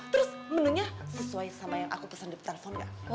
terus menunya sesuai sama yang aku pesan di telpon gak